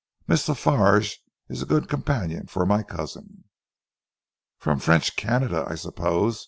"Miss La Farge is a good companion for my cousin." "From French Canada, I suppose?"